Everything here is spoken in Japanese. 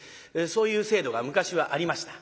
そういう制度が昔はありました。